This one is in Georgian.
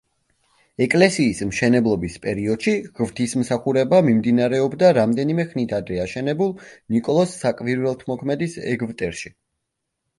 ეკლესიის მშენებლობის პერიოდში ღვთისმსხურება მიმდინარეობდა რამდენიმე ხნით ადრე აშენებულ ნიკოლოზ საკვირველთმოქმედის ეგვტერში.